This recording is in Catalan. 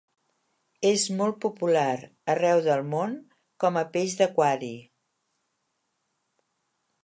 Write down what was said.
És molt popular arreu del món com a peix d'aquari.